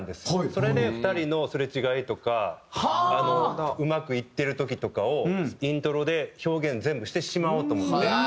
それで２人のすれ違いとかうまくいってる時とかをイントロで表現全部してしまおうと思って。